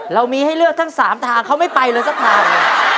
เรามีให้เลือกทั้ง๓ทางเขาไม่ไปเลยสักทาง